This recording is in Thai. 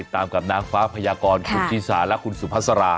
ตามกับนางฟ้าพยากรคุณจีสาและคุณสุภาษารา